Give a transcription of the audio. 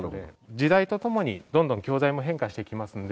時代とともにどんどん教材も変化していきますので。